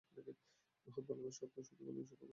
রোহান, ভালবাসার অর্থ শুধু, ভালবাসা প্রকাশ করা নয়।